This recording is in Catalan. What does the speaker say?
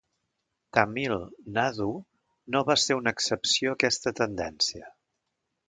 Tamil Nadu no va ser una excepció a aquesta tendència.